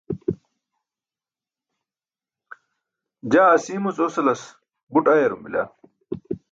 jaa asiimuc osalas buṭ ayarum bila